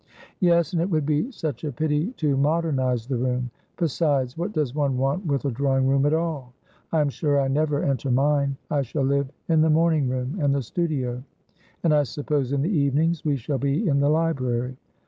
"Yes, and it would be such a pity to modernise the room. Besides, what does one want with a drawing room at all? I am sure I never enter mine. I shall live in the morning room and the studio, and I suppose in the evenings we shall be in the library.